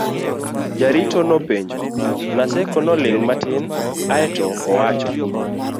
jarito nopenjo .Naseko noling' matin ae to owacho